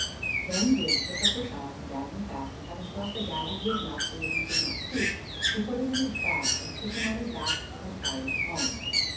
Then Grim took up the child and bound him fast, and having thrust a gag into his mouth so that he could not speak, he put him in a bag and took him on his back and carried him home.